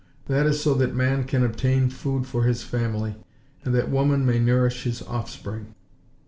That is so that man can obtain food for his family, and that woman may nourish his offspring.